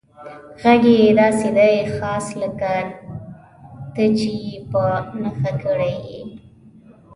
غږ یې داسې دی، خاص لکه ته چې یې په نښه کړی یې.